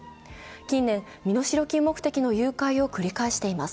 近年、身代金目的の誘拐を繰り返しています。